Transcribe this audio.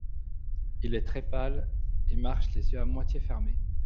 Il est très pâle et marche les yeux à moitié fermés.